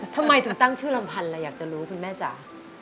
ทำไมถึงตั้งชื่อลำพันธ์อะไรอยากจะรู้คุณแม่จ๋า